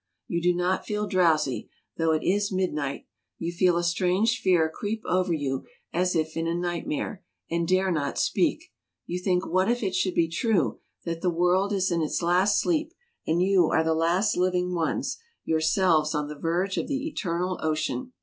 You do not feel drowsy, though it is midnight ; you feel a strange fear creep over you as if in a nightmare, and dare not speak ; you think what if it should be true that the world is in its last sleep, and you are the last living ones, yourselves on the verge of the Eternal Ocean